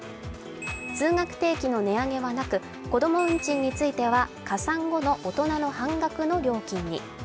通学定期の値上げはなく、子供運賃については加算後の大人の半額の料金に。